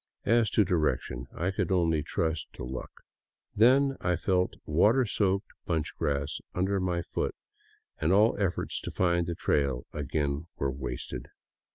As to direction, I could only trust to luck. Then I felt water soaked bunch grass under foot, and all efforts to find the trail again were wasted.